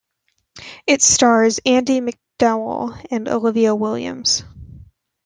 It stars Andie MacDowell and Olivia Williams.